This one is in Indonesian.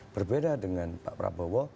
berbeda dengan pak prabowo